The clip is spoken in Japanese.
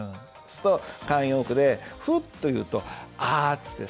すると慣用句でふっと言うと「ああ」つって。